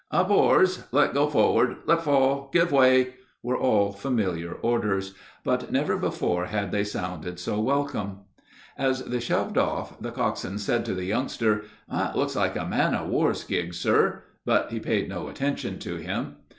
"Up oars let go forward let fall give 'way!" were all familiar orders; but never before had they sounded so welcome. As they shoved off, the coxswain said to the youngster, "That looks like a man of war's gig, sir"; but he paid no attention to him.